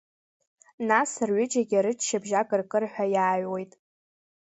Нас, рҩыџьагьы рыччабжь акыркырҳәа иааҩуеит.